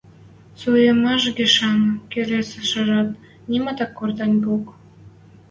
Суйымаш гишӓн келесӓшӹжӓт нимат ак код ганьок.